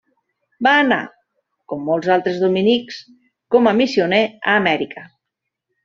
Va anar, com molts altres dominics, com a missioner a Amèrica.